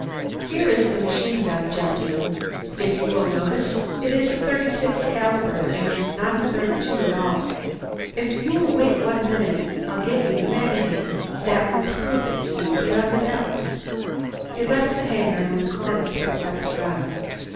"Here is the machine gun, gentlemen. If you will notice, it is a 36 caliber and not a 32 at all. If you will wait one minute, I'll get you the magazine. That will prove it to you beyond a doubt." He left the hangar and the coroner picked up the gun.